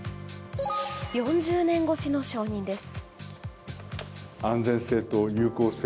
４０年越しの承認です。